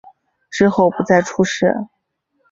之后不再出仕。